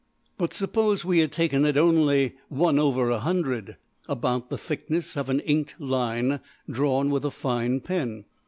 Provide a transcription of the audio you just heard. But suppose we had taken it only $\frac$ about the thickness of an inked line drawn with a fine pen.